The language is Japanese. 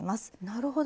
なるほど。